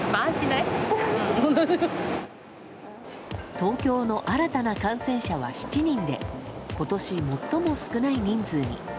東京の新たな感染者は７人で今年最も少ない人数に。